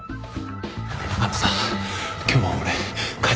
あのさ今日は俺帰っても？